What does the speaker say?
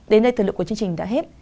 đến đây thờ lượng của chương trình đã hết